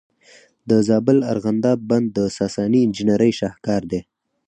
د زابل ارغنداب بند د ساساني انجینرۍ شاهکار دی